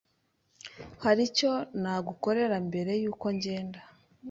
Hari icyo nagukorera mbere yuko ngenda?